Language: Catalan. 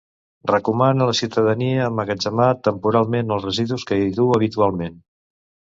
Recomana a la ciutadania emmagatzemar temporalment els residus que hi duu habitualment.